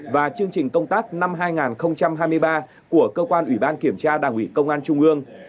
và chương trình công tác năm hai nghìn hai mươi ba của cơ quan ủy ban kiểm tra đảng ủy công an trung ương